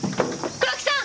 黒木さん！